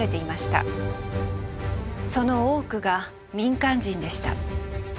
その多くが民間人でした。